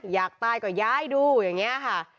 อยากตายก็ย้ายดูอย่างนี้ค่ะ